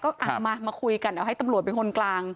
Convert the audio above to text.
ก็มามาคุยกันเอาให้ตำรวจเป็นคนกลาง